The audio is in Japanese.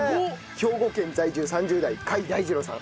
兵庫県在住３０代甲斐大二郎さん